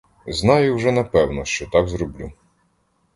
Знаю вже напевно, що так зроблю.